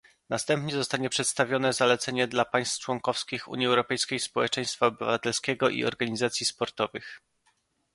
Następnie zostanie przedstawione zalecenie dla państw członkowskich Unii Europejskiej, społeczeństwa obywatelskiego i organizacji sportowych